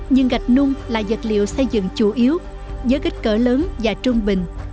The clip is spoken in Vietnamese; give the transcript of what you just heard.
nhưng gạch nung là vật liệu xây dựng chủ yếu với kích cỡ lớn và trung bình